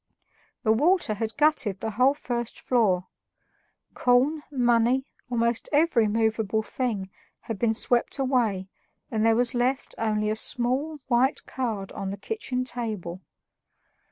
The water had gutted the whole first floor; corn, money, almost every movable thing, had been swept away, and there was left only a small white card on the kitchen table.